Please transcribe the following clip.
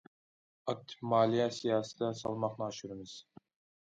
ئاكتىپ مالىيە سىياسىتىدە سالماقنى ئاشۇرىمىز.